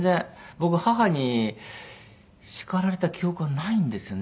僕母に叱られた記憶がないんですよね。